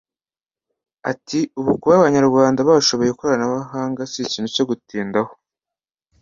Ati “Ubu kuba abanyarwanda bashoboye ikoranabuhanga si ikintu cyo gutindaho